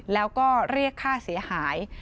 แล้วก็เรียกค่าเสียหาย